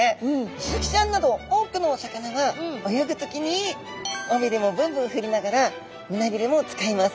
スズキちゃんなど多くのお魚は泳ぐ時に尾びれもブンブン振りながら胸びれも使います。